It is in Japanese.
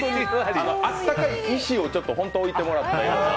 あったかい石を置いてもらったような。